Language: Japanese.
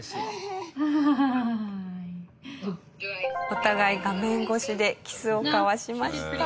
お互い画面越しでキスを交わしました。